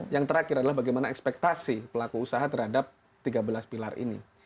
yang terakhir adalah bagaimana ekspektasi pelaku usaha terhadap tiga belas pilar ini